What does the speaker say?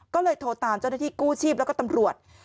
ก็เลยโทรตามเจ้าหน้าที่กู้ชีพแล้วก็ตำรวจ